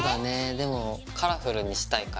でもカラフルにしたいからさ。